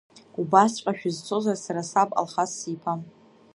Убасҵәҟьа шәызцозар, сара саб Алхас сиԥам…